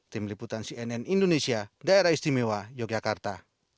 tim liputan cnn indonesia daerah istimewa yogyakarta